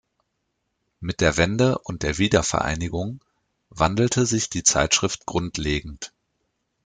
Mit der Wende und der Wiedervereinigung wandelte sich die Zeitschrift grundlegend.